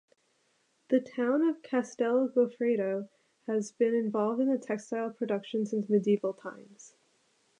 The town of Castel Goffredo has been involved in textile production since medieval times.